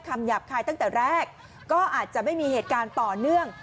หยาบคายตั้งแต่แรกก็อาจจะไม่มีเหตุการณ์ต่อเนื่อง